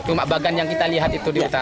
cuma bagan yang kita lihat itu di utara